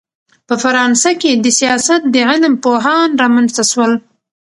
په فرانسه کښي دسیاست د علم پوهان رامنځ ته سول.